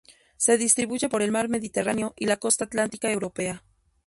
Se distribuye por el mar Mediterráneo y la costa atlántica europea.